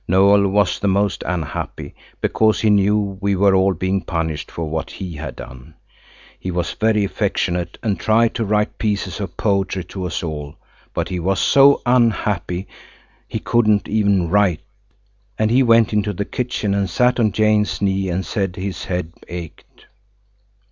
Noël was the most unhappy, because he knew we were all being punished for what he had done. He was very affectionate and tried to write pieces of poetry to us all, but he was so unhappy he couldn't even write, and he went into the kitchen and sat on Jane's knee and said his head ached.